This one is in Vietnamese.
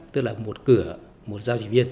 tức là một cửa một giao dịch viên